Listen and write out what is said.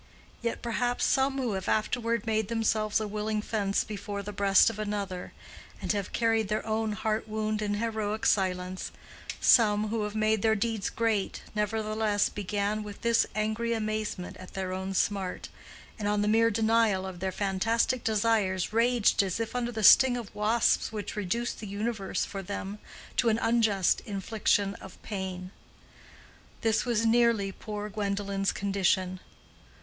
Yet perhaps some who have afterward made themselves a willing fence before the breast of another, and have carried their own heart wound in heroic silence—some who have made their deeds great, nevertheless began with this angry amazement at their own smart, and on the mere denial of their fantastic desires raged as if under the sting of wasps which reduced the universe for them to an unjust infliction of pain. This was nearly poor Gwendolen's condition.